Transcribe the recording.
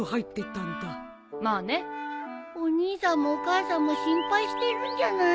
お兄さんもお母さんも心配してるんじゃない？